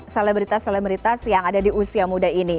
selebritas selebritas yang ada di usia muda ini